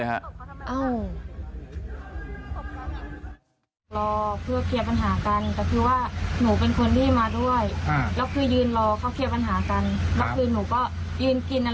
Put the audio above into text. รอเพื่อเคลียร์ปัญหากันแต่คิดว่าหนูเป็นคนที่มาด้วย